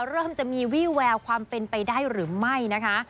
เริ่มจะมีวี่แววความเป็นไปได้หรือไม่นะคะ